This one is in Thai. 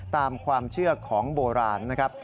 ตามความเชื่อของโบราณนะครับ